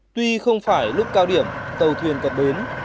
tuy không phải lúc cao điểm tàu thuyền cập bến